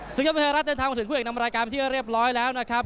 ยอดมวยไทยรัฐเดินทางมาถึงคู่เอกนำรายการไปที่เรียบร้อยแล้วนะครับ